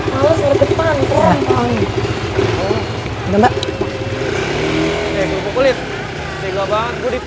kalau lo segera depan keren banget